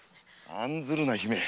案ずるな姫。